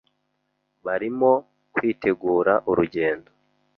Barimo kwitegura urugendo.